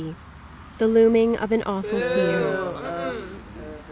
THE LOOMING OF AN AWFUL FEAR.